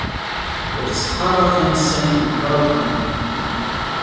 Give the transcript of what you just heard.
Ur tseḥḥa ara tansa n tebrat-nni.